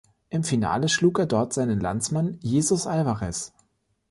Im Finale schlug er dort seinen Landsmann Jesus Alvarez.